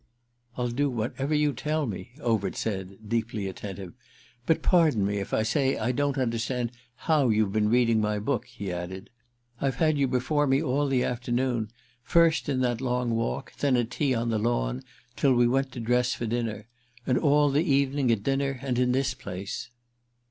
"I'll do whatever you tell me," Overt said, deeply attentive. "But pardon me if I say I don't understand how you've been reading my book," he added. "I've had you before me all the afternoon, first in that long walk, then at tea on the lawn, till we went to dress for dinner, and all the evening at dinner and in this place."